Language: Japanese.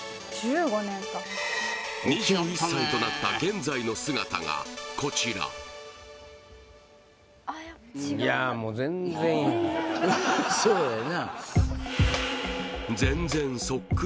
２１歳となった現在の姿がこちらそうやな全然そうですね